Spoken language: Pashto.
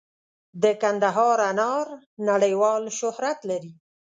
د کندهار انار نړیوال شهرت لري.